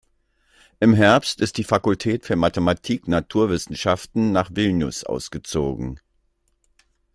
Im Herbst ist die Fakultät für Mathematik-Naturwissenschaften nach Vilnius ausgezogen.